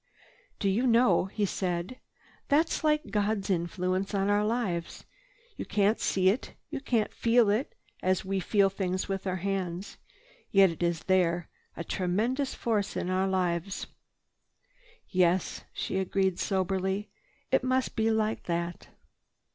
"Do you know," he said, "that's like God's influence on our lives. You can't see it, you can't feel it as we feel things with our hands; yet it is there, a tremendous force in our lives." "Yes," she agreed soberly, "it must be like that."